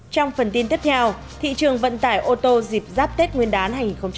trong phần tin tiếp theo thị trường vận tải ô tô dịp giáp tết nguyên đán hai nghìn hai mươi